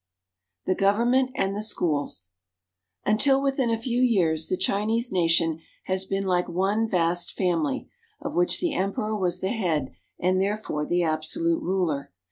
THE GOVERNMENT AND THE SCHOOLS UNTIL within a few years, the Chinese nation has been Hke one vast family, of which the Emperor was the head and therefore the absolute ruler.